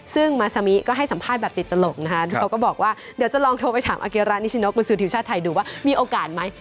ซึ่งมาซามิก็ให้สัมภาษณ์แบบติดตลกนะคะเขาก็บอกว่าเดี๋ยวจะลองโทรไปถามอาเกรานิชิโนกุศือทีมชาติไทยดูว่ามีโอกาสไหม